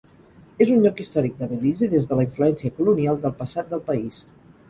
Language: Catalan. És un lloc històric de Belize des de la influència colonial del passat del país.